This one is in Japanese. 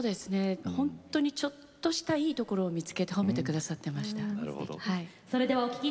本当にちょっとしたいいところを見つけて褒めてくださってました。